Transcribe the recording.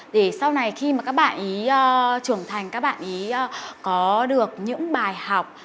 để sau này khi mà các bạn ý trưởng thành các bạn ý có được những bài học